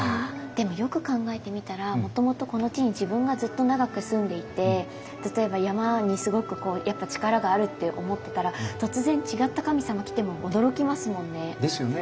でもよく考えてみたらもともとこの地に自分がずっと長く住んでいて例えば山にすごくやっぱ力があるって思ってたら突然違った神様来ても驚きますもんね。ですよね。